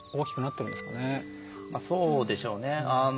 そうでしょうね。